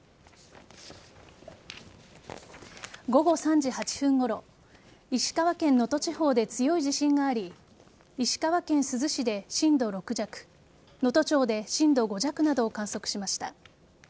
午後３時８分ごろ石川県能登地方で強い地震があり石川県珠洲市で震度６弱能登町で震度５弱などを観測しました。